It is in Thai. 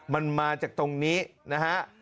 มันมาจากตรงนี้นะฮะ